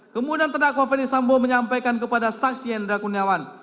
kemudian tdakwa ferdisambo menyampaikan kepada saksi endra kuniawan